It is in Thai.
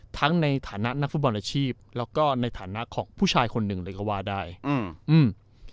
ในฐานะนักฟุตบอลอาชีพแล้วก็ในฐานะของผู้ชายคนหนึ่งเลยก็ว่าได้อืมอืม